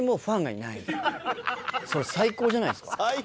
「最高じゃないですか」